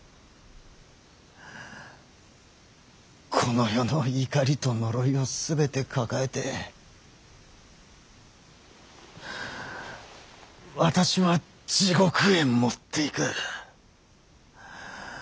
この世の怒りと呪いを全て抱えて私は地獄へ持っていく。